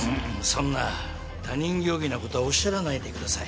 そんな他人行儀なことおっしゃらないでください。